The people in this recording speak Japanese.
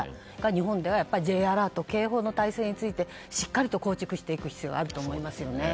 日本ではＪアラート、警報の体制についてしっかりと構築していく必要があると思いますよね。